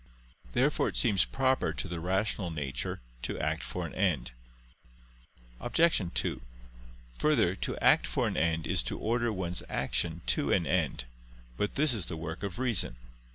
Therefore it seems proper to the rational nature to act for an end. Obj. 2: Further, to act for an end is to order one's action to an end. But this is the work of reason.